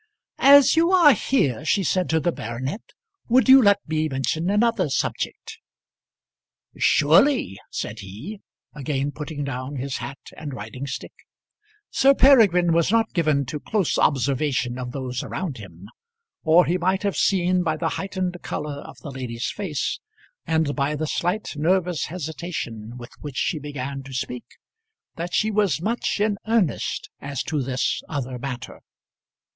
"As you are here," she said to the baronet, "would you let me mention another subject?" "Surely," said he, again putting down his hat and riding stick. Sir Peregrine was not given to close observation of those around him, or he might have seen by the heightened colour of the lady's face, and by the slight nervous hesitation with which she began to speak, that she was much in earnest as to this other matter.